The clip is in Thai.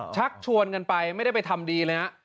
ชักชวนกันไปไม่ได้ไปทำดีเลยฮะ